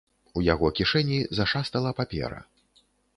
У яго кішэні зашастала папера.